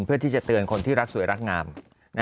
เพื่อที่จะเตือนคนที่รักสวยรักงาม